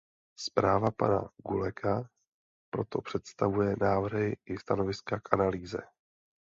Zpráva pana Guelleca proto představuje návrhy i stanoviska k analýze.